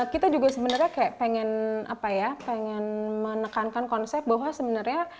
kita juga sebenarnya pengen menekankan konsep bahwa